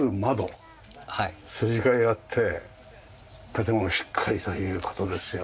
筋交いがあって建物をしっかりという事ですよね。